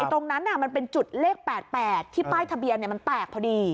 ตรงนั้นมันเป็นจุดเลข๘๘ที่ป้ายทะเบียนมันแตกพอดี